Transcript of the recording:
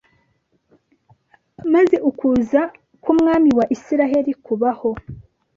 Maze ukuza k'Umwami wa Isiraeli kubaho